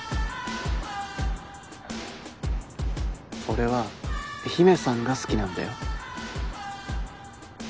俺は陽芽さんが好きなんだよ